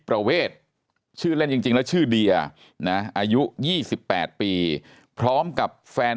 ประเวทชื่อเล่นจริงแล้วชื่อเดียนะอายุ๒๘ปีพร้อมกับแฟน